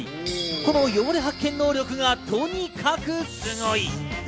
この汚れ発見能力がとにかくすごい。